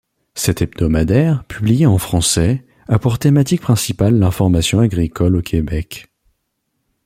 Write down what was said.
Cet hebdomadaire, publié en français, a pour thématique principale l'information agricole au Québec.